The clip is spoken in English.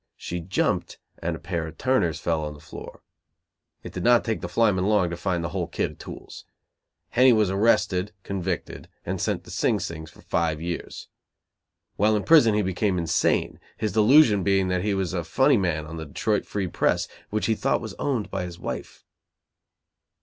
She jumped, and a pair of turners fell on the floor. It did not take the flyman long to find the whole kit of tools. Henny was arrested, convicted, and sent to Sing Sing for five years. While in prison he became insane, his delusion being that he was a funny man on the Detroit Free Press, which he thought was owned by his wife.